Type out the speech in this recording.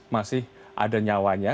masih ada nyawanya